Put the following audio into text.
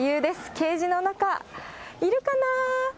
ケージの中、いるかな？